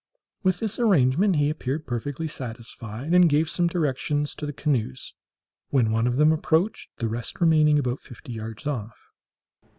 With this arrangement he appeared perfectly satisfied, and gave some directions to the canoes, when one of them approached, the rest remaining about fifty yards off.